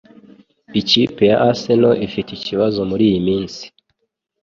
ikipe ya Arsenal ifite ikibazo muri iyi minsi